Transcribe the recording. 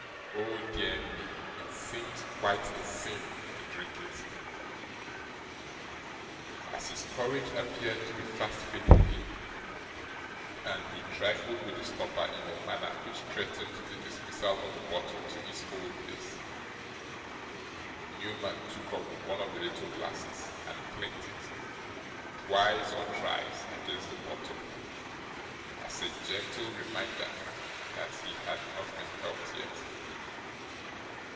O dear me, it seems quite a sin to drink it!' As his courage appeared to be fast failing him, and he trifled with the stopper in a manner which threatened the dismissal of the bottle to its old place, Newman took up one of the little glasses, and clinked it, twice or thrice, against the bottle, as a gentle reminder that he had not been helped yet.